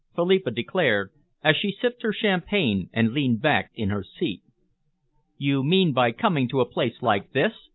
Philippa declared, as she sipped her champagne and leaned back in her seat. "You mean by coming to a place like this?"